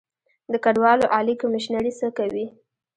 د کډوالو عالي کمیشنري څه کوي؟